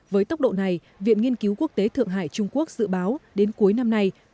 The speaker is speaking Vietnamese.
với tốc độ này viện nghiên cứu quốc tế thượng hải trung quốc dự báo đến cuối năm nay